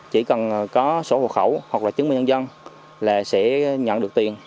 chỉ cần có sổ hộ khẩu hoặc là chứng minh nhân dân là sẽ nhận được tiền